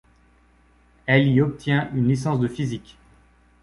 Elle y obtient une licence de physique.